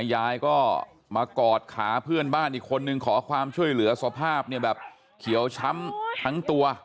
ยายก็มากอดขาเพื่อนบ้านอีกคนนึงขอความช่วยเหลือสภาพเนี่ยแบบเขียวช้ำทั้งตัว